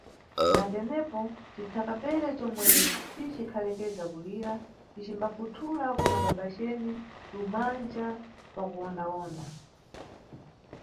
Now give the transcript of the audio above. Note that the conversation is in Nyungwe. Na tenepo, citsakabere, comwe si cikhalekeza kulira, cicimbafuthula kuna babacene tu manja twakuwonda-wonda.